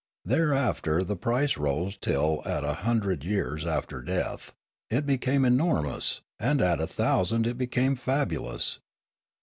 Thereafter the price rose till at a hun dred years after death it became enormous, and at a thousand it became fabulous.